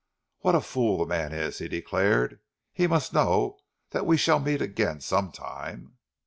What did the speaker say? "What a fool the man is!" he declared. "He must know that we shall meet again some time!...